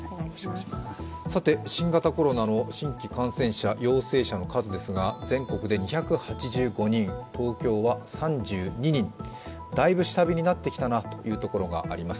新型コロナの新規感染者、陽性者の数ですが全国で２８５人、東京は３２人、大分、下火になってきたなというところがあります。